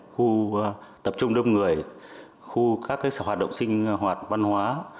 khu tập trung đông người khu các hoạt động sinh hoạt văn hóa